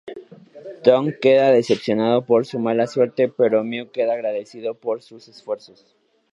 Tong queda decepcionado por su mala suerte pero Mew queda agradecido por sus esfuerzos.